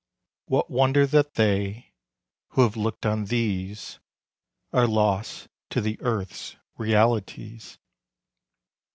What wonder that they who have looked on these Are lost to the earth's realities!